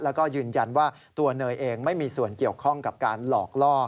แล้วก็ยืนยันว่าตัวเนยเองไม่มีส่วนเกี่ยวข้องกับการหลอกล่อ